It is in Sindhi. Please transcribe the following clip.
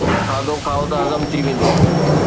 کاڌو کائو ته هضم ٿي ويندو.